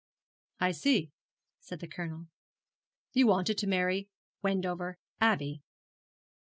'I see,' said the Colonel; 'you wanted to marry Wendover Abbey.'